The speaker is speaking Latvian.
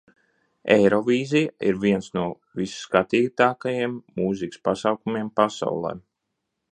Eirovīzija ir viens no visskatītākajiem mūzikas pasākumiem pasaulē.